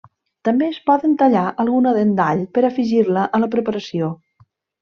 També es poden tallar alguna dent d'all per afegir-la a la preparació.